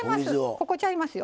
ここちゃいますよ。